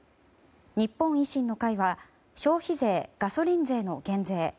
日本維新の会は消費税、ガソリン税の減税。